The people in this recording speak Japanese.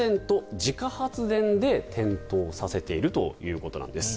自家発電で点灯させているということです。